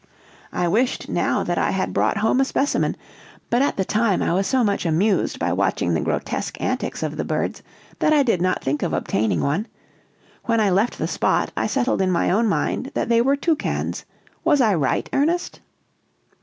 I wished now that I had brought home a specimen; but at the time I was so much amused by watching the grotesque antics of the birds that I did not think of obtaining one. When I left the spot, I settled in my own mind that they were toucans: was I right, Ernest?"